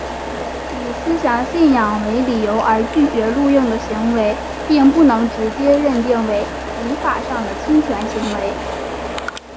以思想信仰为理由而拒绝录用的行为并不能直接认定为民法上的侵权行为。